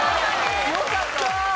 よかった！